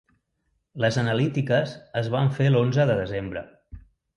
Les analítiques es van fer l’onze de desembre.